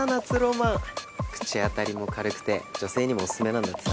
口当たりも軽くて女性にもおすすめなんだってさ。